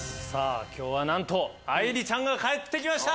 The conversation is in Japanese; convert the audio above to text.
今日はなんと愛梨ちゃんが帰って来ました！